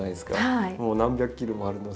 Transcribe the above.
もう何百キロもあるので。